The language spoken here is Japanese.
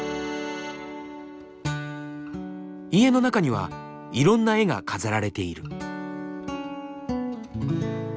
家の中にはいろんな絵が飾られている。